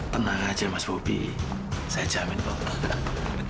tenang aja mas bobby saya jamin bapak